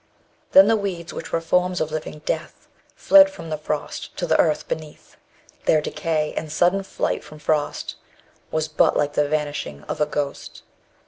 Then the weeds which were forms of living death Fled from the frost to the earth beneath. _95 Their decay and sudden flight from frost Was but like the vanishing of a ghost!